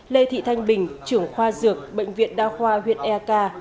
lê thị thanh bình trưởng khoa dược bệnh viện đa khoa huyện e k